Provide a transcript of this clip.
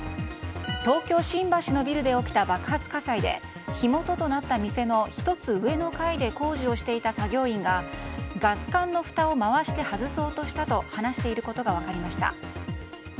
東京・新橋のビルで起きた爆発火災で火元となった店の１つ上の階で工事をしていた作業員がガス管のふたを回して外そうとしたと話していることが分かりました。